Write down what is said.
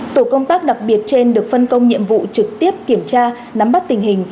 tổ công tác đặc biệt trên được phân công nhiệm vụ trực tiếp kiểm tra nắm bắt tình hình